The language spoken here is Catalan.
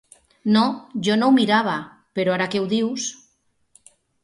No, jo no ho mirava, però ara que ho dius...